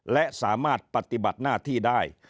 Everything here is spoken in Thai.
และสามารถปฏิบัติหน้าที่ได้